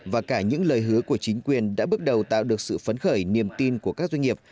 và cả những lời hứa của chính quyền đã bước đầu tạo được sự phấn khởi niềm tin của các doanh nghiệp